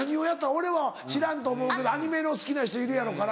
俺は知らんと思うけどアニメの好きな人いるやろうから。